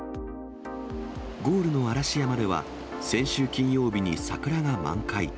ゴールの嵐山では、先週金曜日に桜が満開。